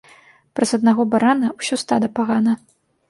Праз аднаго барана усё стада пагана